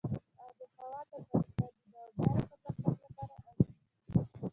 آب وهوا د افغانستان د دوامداره پرمختګ لپاره اړین دي.